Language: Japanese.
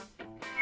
あ